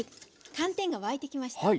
寒天が沸いてきました。